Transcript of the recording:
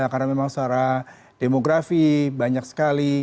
karena memang secara demografi banyak sekali